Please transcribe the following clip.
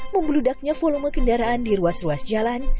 membludaknya volume kendaraan di ruas ruas jalan